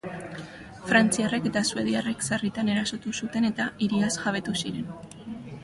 Frantziarrek eta suediarrek sarritan erasotu zuten eta hiriaz jabetu ziren.